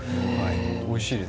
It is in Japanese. おいしいです。